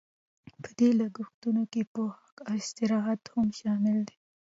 په دې لګښتونو کې پوښاک او استراحت هم شامل دي